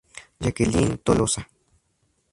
Jacqueline Toloza.